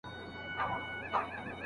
د خپل قام لپاره وجنګېږه